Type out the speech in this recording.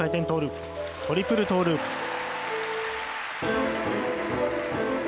トリプルトーループ。